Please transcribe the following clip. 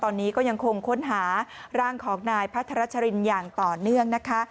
ตอนนี้ก็ยังคงค้นหาร่างของนายพัทรชรินอย่างต่อเนื่องนะคะ